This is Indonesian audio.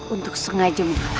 untuk sengaja mengalahkanmu